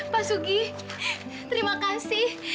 pak sugi terima kasih